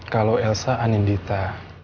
kalau elsa anindita